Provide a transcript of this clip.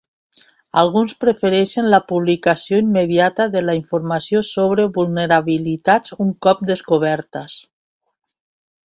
Alguns prefereixen la publicació immediata de la informació sobre vulnerabilitats un cop descobertes.